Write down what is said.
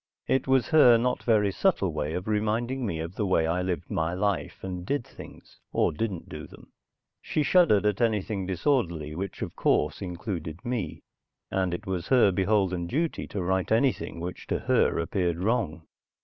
It was her not very subtle way of reminding me of the way I lived my life and did things, or didn't do them. She shuddered at anything disorderly, which of course included me, and it was her beholden duty to right anything which to her appeared wrong.